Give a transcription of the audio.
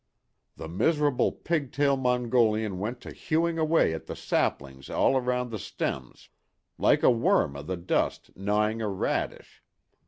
The miserable pigtail Mongolian went to hewing away at the saplings all round the stems, like a worm o' the dust gnawing a radish.